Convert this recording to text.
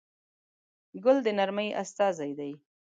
ګل د نرمۍ استازی دی.